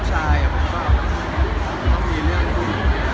ถ้าเป็นหนูชายก็อย่างเงินชีวิต